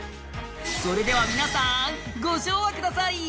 それでは皆さん、ご唱和ください。